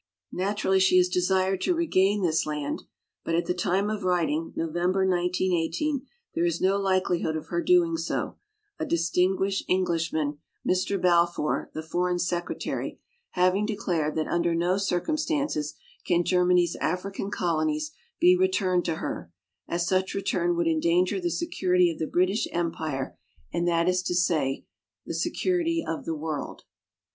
Naturally she has desired to re gain this land, but at the time of writing (November, 1918) there is no likelihood of her doing so, a distinguished Englishman, 54 WOMEN OF ACHIEVEMENT Mr. Balfour, the foreign secretary, having declared that under no circumstances can Germany's African colonies be returned to her, as such return would endanger the se curity of the British empire, and that is to say, the security of the world.